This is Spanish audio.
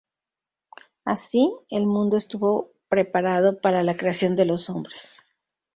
Así, el mundo estuvo preparado para la creación de los hombres.